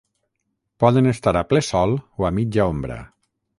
Poden estar a ple sol o a mitja ombra.